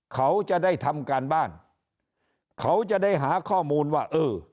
เขาจะได้ทำการบ้านเขาจะได้หาข้อมูลว่าเออ